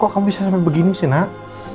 kok kamu bisa sampai begini sih nak